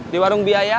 di warung biaya